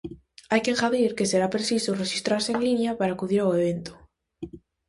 Hai que engadir que será preciso rexistrarse en liña para acudir ao evento.